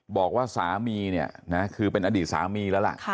บอกว่าสามีเนี่ยนะคือเป็นอดีตสามีแล้วล่ะ